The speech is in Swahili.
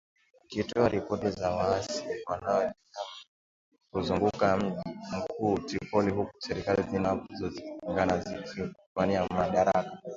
Ikitoa ripoti za waasi wanaojihami kuzunguka mji mkuu Tripoli huku serikali zinazopingana zikiwania madaraka